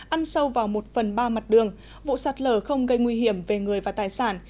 ăn sâu vào một phần ba mặt đường vụ sạt lở không gây nguy hiểm về người và tài sản